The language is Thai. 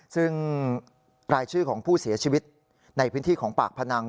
ซึ่งรายชื่อของผู้เสียชีวิตในพื้นที่ของปากพนัง